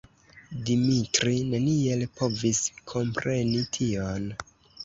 Dimitri neniel povis kompreni tion.